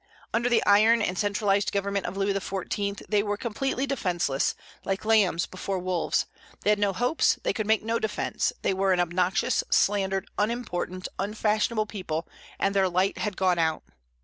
Under the iron and centralized government of Louis XIV. they were completely defenceless, like lambs before wolves; they had no hopes, they could make no defence; they were an obnoxious, slandered, unimportant, unfashionable people, and their light had gone out.